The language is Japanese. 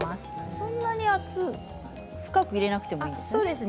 そんなに深く入れなくていいんですね。